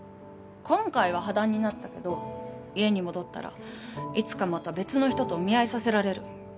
今回は破談になったけど家に戻ったらいつかまた別の人とお見合いさせられる。